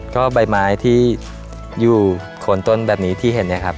ก็ใบไม้ที่อยู่โคนต้นแบบนี้ที่เห็นเนี่ยครับ